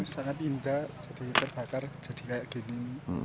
sangat indah jadi terbakar jadi kayak gini